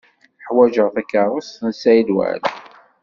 Ḥwajeɣ takeṛṛust n Saɛid Waɛli.